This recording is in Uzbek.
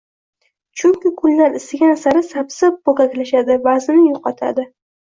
Chunki kunlar isigani sari sabzi poʻkaklashadi, vaznini yoʻqotadi.